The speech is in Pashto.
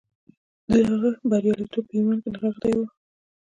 د هغه برياليتوب په ايمان کې نغښتی و.